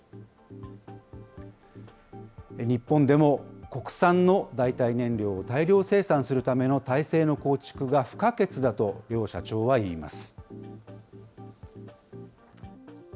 日本でも国産の代替燃料を大量生産するための体制の構築が不可欠だと両社長は言います。